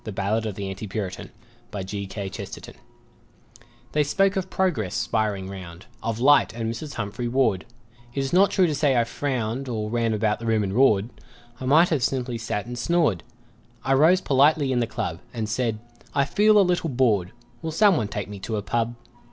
A BALLADE OF AN ANTI PURITAN They spoke of Progress spiring round, Of Light and Mrs. Humphry Ward It is not true to say I frowned, Or ran about the room and roared; I might have simply sat and snored I rose politely in the club And said, "I feel a little bored; Will someone take me to a pub?"